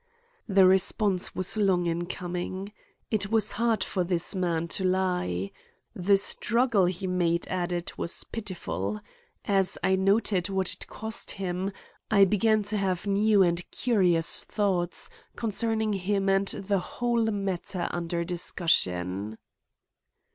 The response was long in coming. It was hard for this man to lie. The struggle he made at it was pitiful. As I noted what it cost him, I began to have new and curious thoughts concerning him and the whole matter under discussion.